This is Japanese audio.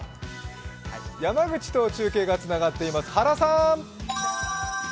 山口と中継がつながっています。